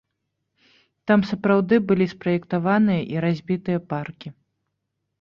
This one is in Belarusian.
Там сапраўды былі спраектаваныя і разбітыя паркі.